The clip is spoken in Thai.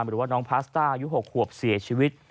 หรือว่าน้องพาสต้าอายุ๖ขวบเสียชีวิต